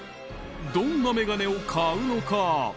どんなメガネを買うのか？